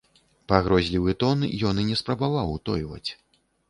Пагрозлівы тон ён і не спрабаваў утойваць.